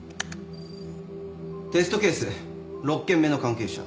テストケース６件目の関係者